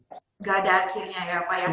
tidak ada akhirnya ya pak ya